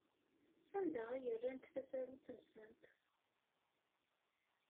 Sanda ay rrant tasarut-nsent?